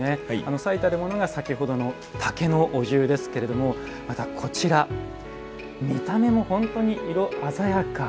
最たるものが先ほどの竹のお重ですけれども見た目も本当に色鮮やか。